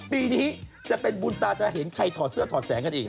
ปีนี้จะเป็นบุญตาจะเห็นใครถอดเสื้อถอดแสงกันอีก